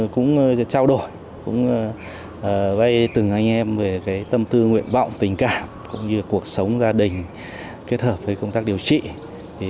cũng trao đổi cũng vay từng anh em về tâm tư nguyện vọng tình cảm cũng như cuộc sống gia đình kết hợp với công tác điều trị